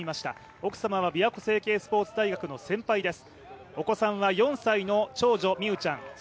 奥様はびわこ成蹊スポーツ大学の先輩です。